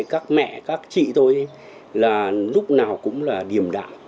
các mẹ các chị tôi là lúc nào cũng là điềm đạm